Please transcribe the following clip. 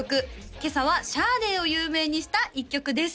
今朝はシャーデーを有名にした一曲です